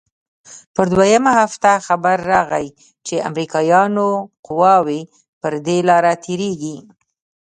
پر دويمه هفته خبر راغى چې امريکايانو قواوې پر دې لاره تېريږي.